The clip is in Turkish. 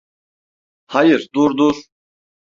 Hayır, dur, dur.